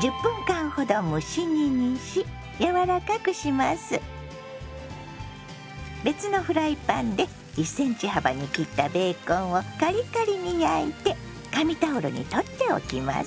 １０分間ほど別のフライパンで１ｃｍ幅に切ったベーコンをカリカリに焼いて紙タオルに取っておきます。